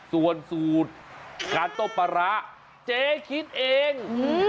ส่วนสูตรกาโต้ปะระเจ๊คิดเอง